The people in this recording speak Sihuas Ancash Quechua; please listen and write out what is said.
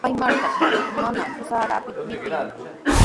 Kay markatrawqa manami sara apita mikuyanku.